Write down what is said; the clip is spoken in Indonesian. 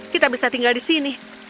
kita bisa tinggal di sini